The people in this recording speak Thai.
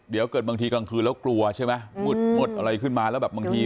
เดี๋ยวเกิดบางทีกลางคืนแล้วกลัวใช่ไหมงดอะไรขึ้นมาแล้วแบบบางที